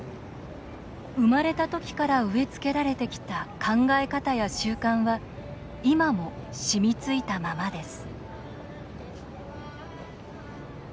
生まれた時から植え付けられてきた考え方や習慣は今も染みついたままです